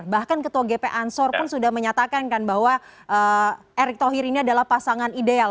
bahkan ketua gp ansor pun sudah menyatakan kan bahwa erick thohir ini adalah pasangan ideal